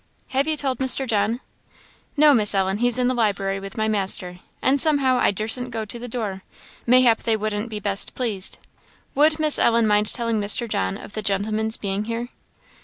"Have you told Mr. John?" "No, Miss Ellen; he's in the library with my master; and somehow I durstn't go to the door; mayhap they wouldn't be best pleased. Would Miss Ellen mind telling Mr. John of the gentleman's being here?"